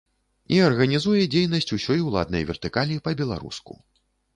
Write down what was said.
І арганізуе дзейнасць усёй уладнай вертыкалі па-беларуску.